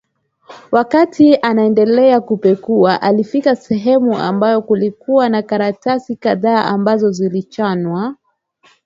Wakati anaendelea kupekua alifika sehemu ambayo kulikuwa na karatasi kadhaa ambazo zilichanwa